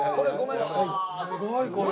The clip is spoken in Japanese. すごいこれ。